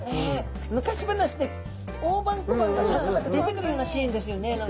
昔話で大判小判がザクザク出てくるようなシーンですよね何か。